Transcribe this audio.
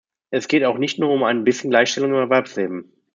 Es geht auch nicht nur um ein bisschen Gleichstellung im Erwerbsleben.